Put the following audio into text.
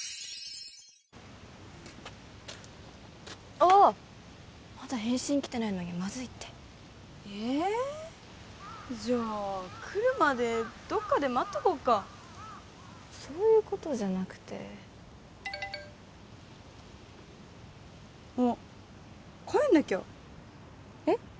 ああっまだ返信来てないのにマズいってええじゃあ来るまでどっかで待っとこうかそういうことじゃなくてあっ帰んなきゃえっ？